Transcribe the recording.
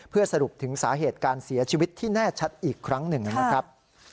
เพื่อสรุปถึงสาเหตุการเสียชีวิตที่แน่ชัดอีกครั้งหนึ่งนะครับ